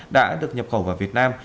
đã được nhập khẩu vào việt nam